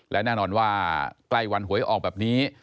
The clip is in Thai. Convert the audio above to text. และแน่นอนว่าใกล้วันหวยออกแบบนี้